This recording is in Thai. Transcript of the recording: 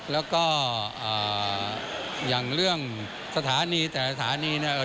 แล้วก็อย่างเรื่องสถานีแต่สถานีเนี่ย